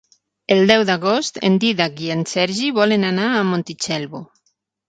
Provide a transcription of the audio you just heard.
El deu d'agost en Dídac i en Sergi volen anar a Montitxelvo.